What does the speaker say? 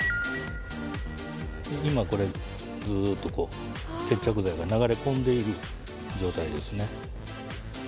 今これずっとこう接着剤が流れ込んでいる状態ですね。